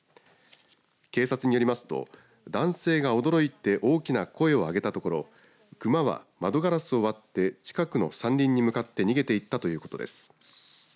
警察によりますと、男性が驚いて大きな声を上げたところ熊は窓ガラスを割って近くの山林に向かって逃げていった、ということです。